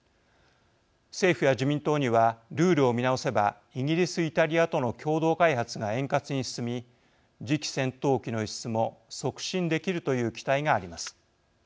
政府や自民党にはルールを見直せばイギリス・イタリアとの共同開発が円滑に進み次期戦闘機の輸出も促進できるという期待があります。